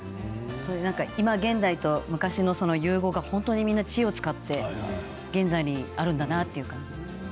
今現在と昔の融合が本当にみんな知恵を使って現在にあるんだなという感じです。